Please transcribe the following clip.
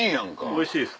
おいしいです？